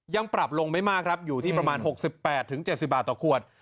ยังปรับลงไม่มากครับอยู่ที่ประมาณ๖๘๗๐บาทต่อขวด